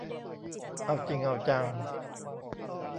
เอาจริงเอาจัง